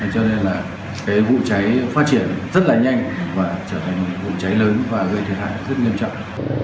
cho nên là cái vụ cháy phát triển rất là nhanh và trở thành một vụ cháy lớn và gây thiệt hại rất nghiêm trọng